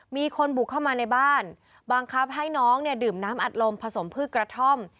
มีคนบุกเข้ามาในบ้านบังคับให้น้องเนี่ยดื่มน้ำอัดลมผสมพืชกระท่อม